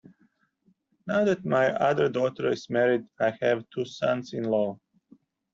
Now that my other daughter is married I have two sons-in-law.